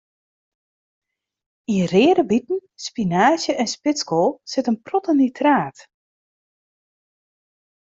Yn reade biten, spinaazje en spitskoal sit in protte nitraat.